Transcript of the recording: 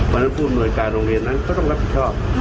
พอนั้นผู้หมวยกายโรงเรียนนั้นเขาต้องรับผิดชอบ